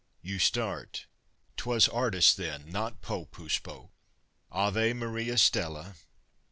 You start 'twas artist then, not Pope who spoke! Ave Maria stella!